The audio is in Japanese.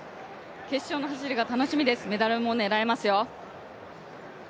決勝の走りが楽しみです、メダルも狙えますよ。